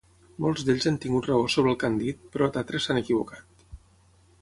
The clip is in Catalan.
Molts d'ells han tingut raó sobre el que han dit, però d'altres s'han equivocat.